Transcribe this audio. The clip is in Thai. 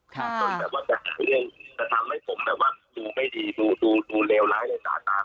แต่ทำให้ผมดูไม่ดีดูเลวร้ายในสตลาดจน